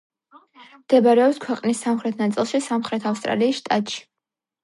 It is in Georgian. მდებარეობს ქვეყნის სამხრეთ ნაწილში, სამხრეთ ავსტრალიის შტატში.